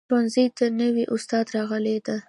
ښوونځي ته نوي استاد راغلی ده